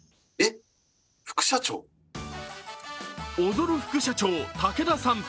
踊る副社長・竹田さん。